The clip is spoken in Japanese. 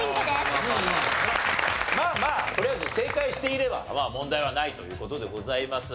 まあまあとりあえず正解していれば問題はないという事でございます。